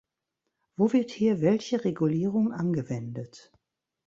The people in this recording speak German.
Wo wird hier welche Regulierung angewendet?